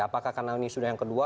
apakah karena ini sudah yang kedua